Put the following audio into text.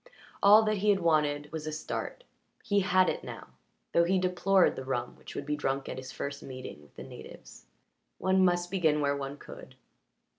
All that he had wanted was a start; he had it now, though he deplored the rum which would be drunk at his first meeting with the natives. One must begin where one could.